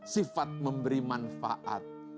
sifat memberi manfaat